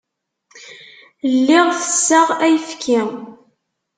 Lliɣ tesseɣ ayefki.